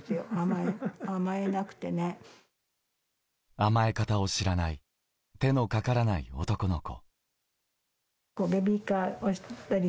甘え方を知らない、手のかからない男の子。